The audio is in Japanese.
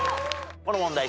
この問題